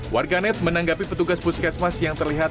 warganet menanggapi petugas puskesmas yang terlihat